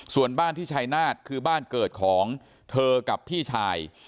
ส่วนบ้านที่ชายนาฏคือบ้านเกิดของเธอกับพี่ชาย